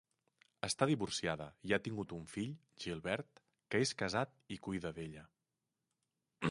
Està divorciada i ha tingut un fill, Gilbert, que és casat i cuida d’ella.